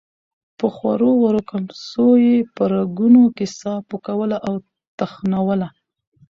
په خورو ورو کمڅو يې په رګونو کې ساه پوکوله او تخنوله.